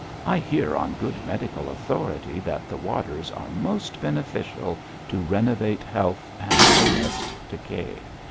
'I hear on good medical authority that the waters are most beneficial to renovate health and arrest decay.